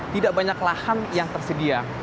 tidak banyak lahan yang tersedia